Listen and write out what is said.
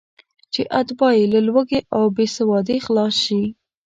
چې اتباع یې له لوږې او بېسوادۍ خلاص شي.